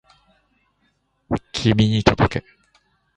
君に届け